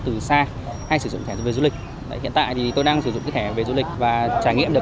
từ xa hay sử dụng thẻ về du lịch hiện tại thì tôi đang sử dụng cái thẻ về du lịch và trải nghiệm được